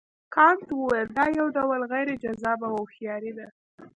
کانت وویل دا یو ډول غیر جذابه هوښیاري ده.